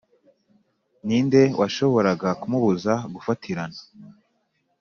ninde washoboraga kumubuza gufatirana